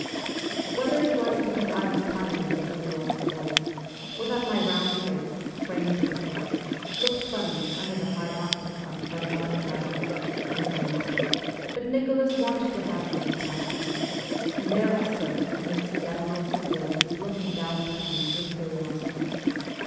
Whether it was because I was the tiniest in the row of boys, or that my round face, framed in curls, looked funny under the high Astrakhan fur bonnet I wore, I know not, but Nicholas wanted to have me on the platform ; and there I stood amidst generals and ladies looking down upon me with curiosity.